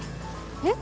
えっ？